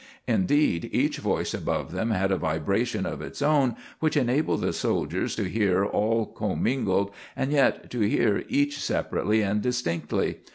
Indeed, each voice above them had a vibration of its own which enabled the soldiers to hear all commingled and yet to hear each separately and distinctly.